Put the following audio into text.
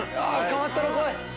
変わったの来い！